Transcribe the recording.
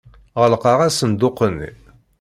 Ɣelqeɣ asenduq-nni.